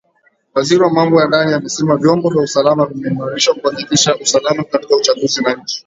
Waziri wa Mambo ya Ndani amesema vyombo vya usalama vimeimarishwa kuhakikisha usalama katika uchaguzi na nchi.